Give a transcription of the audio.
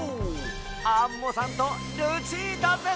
アンモさんとルチータでした！